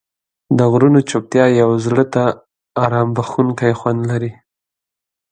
د غرونو چوپتیا یو زړه ته آرام بښونکی خوند لري.